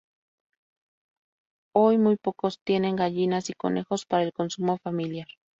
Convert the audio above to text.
Hoy muy pocos tienen gallinas y conejos para el consumo familiar.